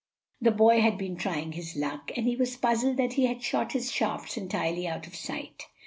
The boy had been trying his luck, and he was puzzled that he had shot his shafts entirely out of sight.